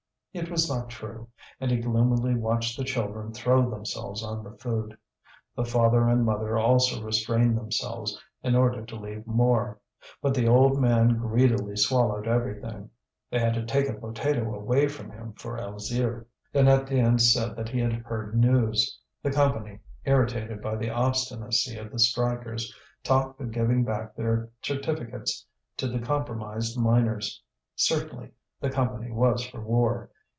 It was not true, and he gloomily watched the children throw themselves on the food. The father and mother also restrained themselves, in order to leave more; but the old man greedily swallowed everything. They had to take a potato away from him for Alzire. Then Étienne said that he had heard news. The Company, irritated by the obstinacy of the strikers, talked of giving back their certificates to the compromised miners. Certainly, the Company was for war.